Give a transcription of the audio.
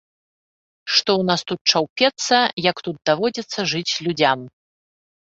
Што ў нас тут чаўпецца, як тут даводзіцца жыць людзям!